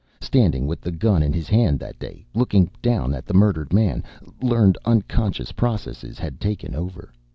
Standing with the gun in his hand that day, looking down at the murdered man, learned unconscious processes had taken over.